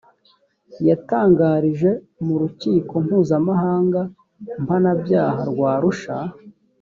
yatangarije mu rukiko mpuzamahanga mpanabyaha rw arusha